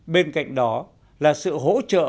bên cạnh đó là sự hỗ trợ